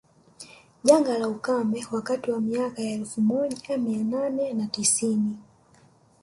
Janga la ukame wakati wa miaka ya elfu moja mia nane na tisini